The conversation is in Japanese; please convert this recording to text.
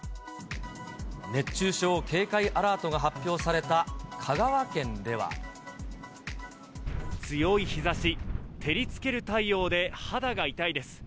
熱中症警戒アラートが発表さ強い日ざし、照りつける太陽で肌が痛いです。